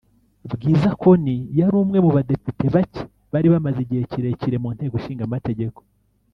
Bwiza Connie yari umwe mu badepite bake bari bamaze igihe kirekire mu Nteko Ishinga Amategeko